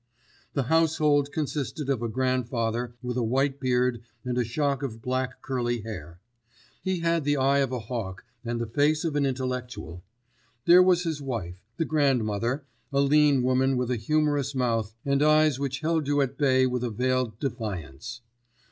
The household consisted of a grandfather, with a white beard and a shock of black curly hair. He had the eye of a hawk and the face of an intellectual. There was his wife, the grandmother, a lean woman with a humorous mouth and eyes which held you at bay with a veiled defiance.